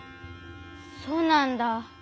そうなんだ。